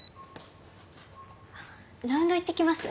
ラウンド行ってきます。